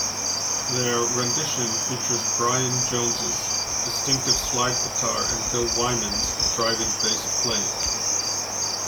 Their rendition features Brian Jones' distinctive slide guitar and Bill Wyman's driving bass playing.